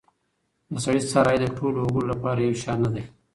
د سړي سر عايد د ټولو وګړو لپاره يو شان نه دی.